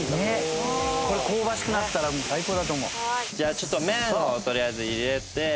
じゃあちょっと麺をとりあえず入れて。